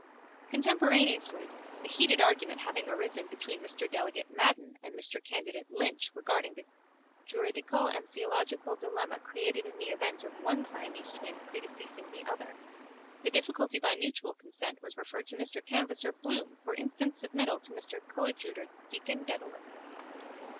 Contemporaneously, a heated argument having arisen between Mr Delegate Madden and Mr Candidate Lynch regarding the juridical and theological dilemma created in the event of one Siamese twin predeceasing the other, the difficulty by mutual consent was referred to Mr Canvasser Bloom for instant submittal to Mr Coadjutor Deacon Dedalus.